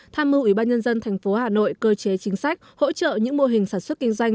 tham mưu ubnd tp hà nội cơ chế chính sách hỗ trợ những mô hình sản xuất kinh doanh